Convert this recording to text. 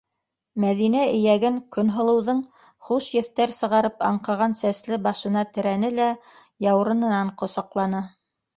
Мәҙинә эйәген Көнһылыуҙың хуш еҫтәр сығарып аңҡыған сәсле башына терәне лә, яурынынан ҡосаҡланы: